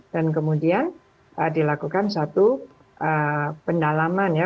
dan kemudian dilakukan satu pendalaman ya